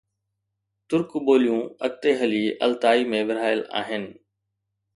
ترڪ ٻوليون اڳتي هلي Altai ۾ ورهايل آهن